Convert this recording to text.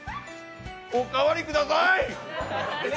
おかわりください！